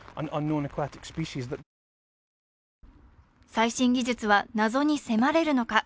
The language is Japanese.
最新技術は謎に迫れるのか。